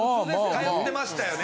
通ってましたよね。